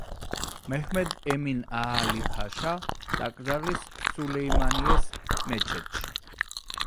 მეჰმედ ემინ აალი-ფაშა დაკრძალეს სულეიმანიეს მეჩეთში.